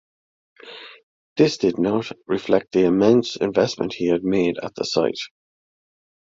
This did not reflect the immense investment he had made at the site.